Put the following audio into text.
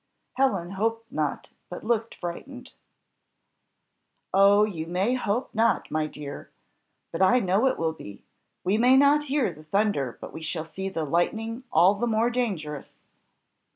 Helen hoped not, but looked frightened. "Oh, you may hope not, my dear, but I know it will be we may not hear the thunder, but we shall see the lightning all the more dangerous.